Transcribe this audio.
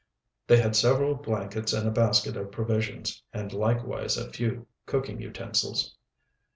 They had several blankets and a basket of provisions, and likewise a few cooking utensils.